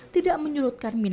tidak menyurutkan miliknya